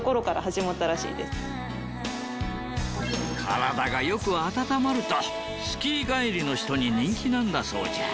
体がよく温まるとスキー帰りの人に人気なんだそうじゃ。